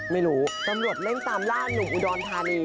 ไม่รู้ตำรวจเร่งตามล่าหนุ่มอุดรธานี